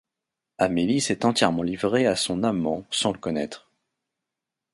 Amélie s’est entièrement livrée à son amant sans le connaître.